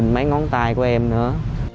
mấy ngón tài của em nữa